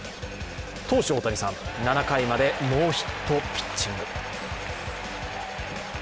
投手・大谷さん、７回までノーヒットピッチング。